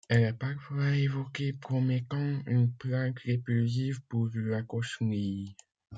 Elle est parfois évoquée comme étant une plante répulsive pour la cochenille.